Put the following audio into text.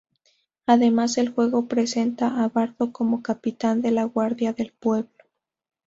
Además el juego presenta a Bardo como capitán de la guardia del pueblo.